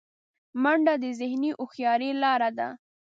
منډه د ذهني هوښیارۍ لاره ده